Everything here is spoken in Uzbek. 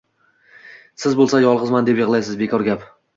Siz bo‘lsa yolg‘izman, deb yig‘laysiz, bekor gap.